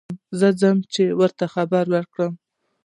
زه ځم چې ور ته خبر ور کړم.